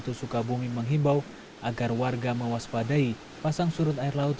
kota sukabumi menghimbau agar warga mewaspadai pasang surut air laut